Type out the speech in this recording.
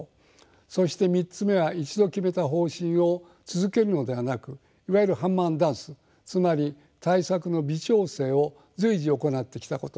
そして３つ目は一度決めた方針を続けるのではなくいわゆるハンマー＆ダンスつまり対策の微調整を随時行ってきたこと。